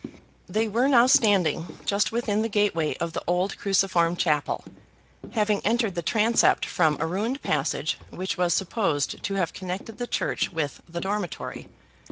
They were now standing just within the gateway of the old cruciform chapel, having entered the transept from a ruined passage which was supposed to have connected the church with the dormitory.